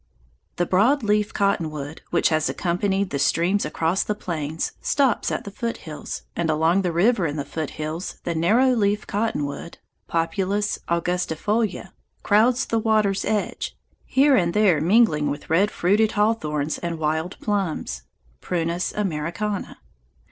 The broad leaf cottonwood, which has accompanied the streams across the plains, stops at the foothills, and along the river in the foothills the narrow leaf cottonwood (Populus angustifolia) crowds the water's edge, here and there mingling with red fruited hawthorns and wild plums (Prunus Americana).